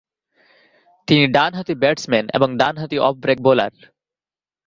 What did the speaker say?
তিনি ডানহাতি ব্যাটসম্যান এবং ডানহাতি অফ ব্রেক বোলার।